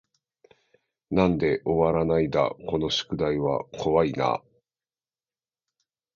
なんで終わらないだこの宿題は怖い y な